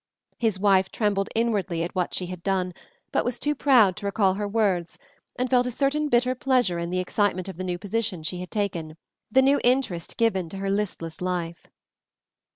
His wife trembled inwardly at what she had done, but was too proud to recall her words and felt a certain bitter pleasure in the excitement of the new position she had taken, the new interest given to her listless life.